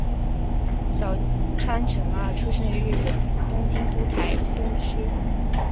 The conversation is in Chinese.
小川诚二出生于日本东京都台东区。